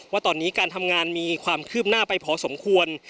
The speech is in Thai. ว่าตอนนี้การทำงานมีความคืบหน้าไปพอสมควร